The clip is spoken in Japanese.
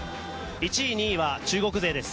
１位、２位は中国勢です。